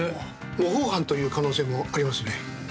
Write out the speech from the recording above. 模倣犯という可能性もありますね。